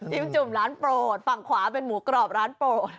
จุ่มร้านโปรดฝั่งขวาเป็นหมูกรอบร้านโปรด